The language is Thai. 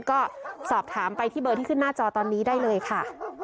ก็สอบถามไปที่เบอร์ที่ขึ้นหน้าจอตอนนี้ได้เลยค่ะ